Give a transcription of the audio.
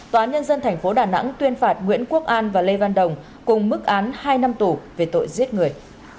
tòa án nhân dân tp đà nẵng tuyên phạt nguyễn quốc an và lê văn đồng cùng mức án hai năm tù về tội giết người